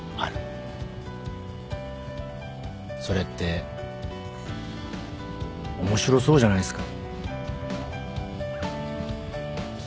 それって面白そうじゃないっすか？